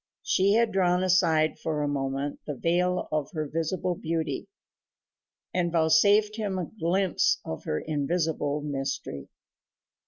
She had drawn aside for a moment the veil of her visible beauty, and vouchsafed him a glimpse of her invisible mystery.